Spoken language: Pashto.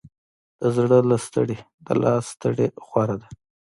د زړه له ستړې، د لاس ستړې غوره ده.